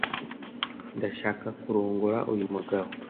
Ndashaka kurongora uyu mugabo.